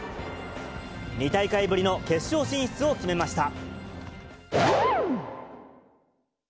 ２大会ぶりの決勝進出を決めました。